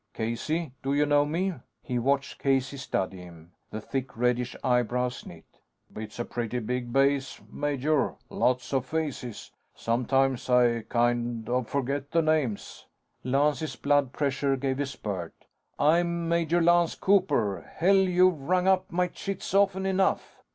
"Casey, do you know me?" He watched Casey study him. The thick reddish eyebrows knit. "It's a pretty big base, major. Lots of faces. Sometimes, I kind of forget the names." Lance's blood pressure gave a spurt. "I'm Major Lance Cooper! Hell, you've rung up my chits often enough!"